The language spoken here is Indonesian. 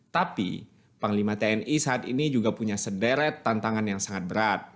tapi panglima tni saat ini juga punya sederet tantangan yang sangat berat